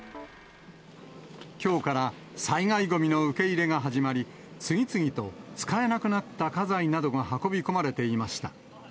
きょうから災害ごみの受け入れが始まり、次々と使えなくなった家財などが運び込まれていました。